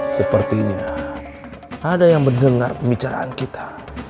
sepertinya ada yang mendengar pembicaraan kita